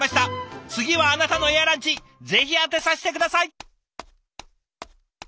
次はあなたのエアランチぜひ当てさせて下さい。